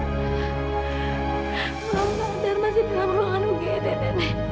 kata dokter masih dalam ruangan ugd nek